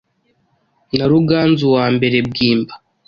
na Ruganzu wa mbere, Bwimba,